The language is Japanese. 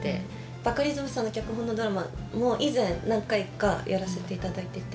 バカリズムさんの脚本のドラマも以前何回かやらせていただいてて。